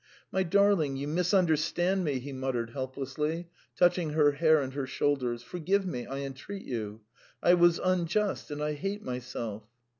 "My darling, you misunderstood me," he muttered helplessly, touching her hair and her shoulders. "Forgive me, I entreat you. I was unjust and I hate myself."